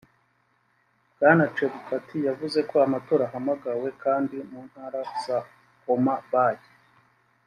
Bwana Chebukati yavuze ko amatora ahamagawe kandi mu ntara za Homa Bay